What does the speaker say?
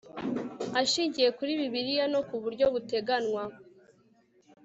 ashingiye kuri Bibiriya no ku buryo buteganywa